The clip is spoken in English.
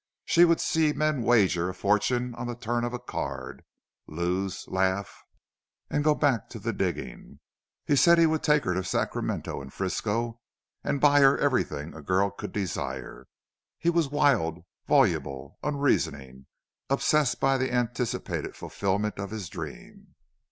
She would see men wager a fortune on the turn of a card, lose, laugh, and go back to the digging. He said he would take her to Sacramento and 'Frisco and buy her everything any girl could desire. He was wild, voluble, unreasoning obsessed by the anticipated fulfilment of his dream.